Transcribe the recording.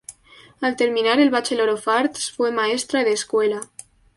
Al terminar el Bachelor of Arts fue maestra de escuela.